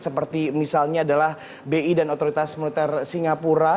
seperti misalnya adalah bi dan otoritas militer singapura